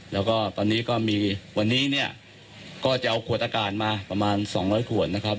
แล้วก็ตอนนี้ก็มีวันนี้เนี่ยก็จะเอาขวดอากาศมาประมาณ๒๐๐ขวดนะครับ